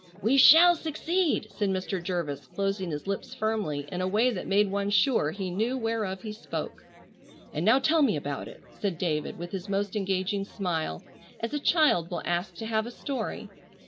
"We shall succeed!" said Mr. Jervis, closing his lips firmly in a way that made one sure he knew whereof he spoke. "And now tell me about it," said David, with his most engaging smile, as a child will ask to have a story.